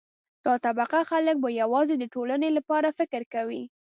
دا طبقه خلک به یوازې د ټولنې لپاره فکر کوي.